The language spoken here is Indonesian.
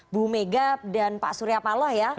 bu mega dan pak suryapalo ya